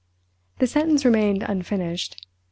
The sentence remained unfinished.